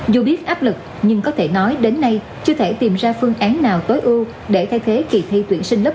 dù biết áp lực nhưng có thể nói đến nay chưa thể tìm ra phương án nào tối ưu để thay thế kỳ thi tuyển sinh lớp một